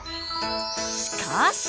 しかし！